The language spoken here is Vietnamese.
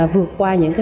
vượt qua những khó khăn